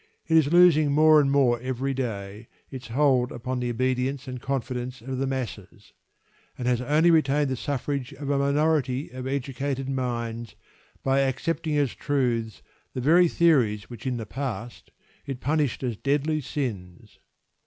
It is losing more and more every day its hold upon the obedience and confidence of the masses, and has only retained the suffrages of a minority of educated minds by accepting as truths the very theories which in the past it punished as deadly sins.